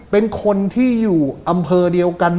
เป็นคนที่อยู่อำเภอเดียวกัน